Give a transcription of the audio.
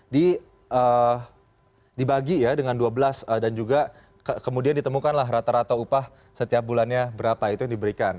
dibagi ya dengan dua belas dan juga kemudian ditemukanlah rata rata upah setiap bulannya berapa itu yang diberikan